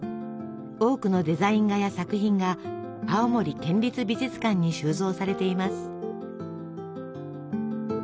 多くのデザイン画や作品が青森県立美術館に収蔵されています。